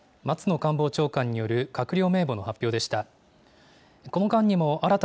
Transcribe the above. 官房長官による閣僚名簿の発表でした。